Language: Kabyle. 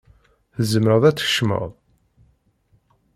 Tzemreḍ ad tkecmeḍ.